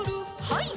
はい。